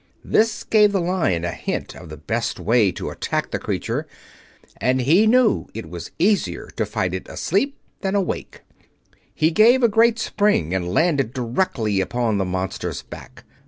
This gave the Lion a hint of the best way to attack the creature, and as he knew it was easier to fight it asleep than awake, he gave a great spring and landed directly upon the monster's back.